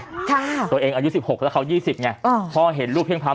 ค่ะตัวเองอายุ๑๖แล้วเขา๒๐เนี่ยพ่อเห็นลูกเพียงพัมธ์